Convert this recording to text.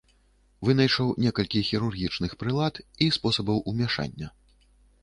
Вынайшаў некалькі хірургічных прылад і спосабаў умяшання.